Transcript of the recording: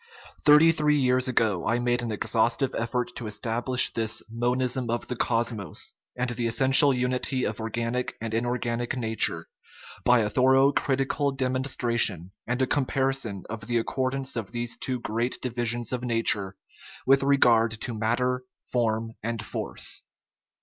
Thirty three years ago I made an exhaustive effort to establish this " monism of the cosmos " and the es sential unity of organic and inorganic nature by a thorough, critical demonstration, and a comparison of the accordance of these two great divisions of nature with regard to matter, form, and force.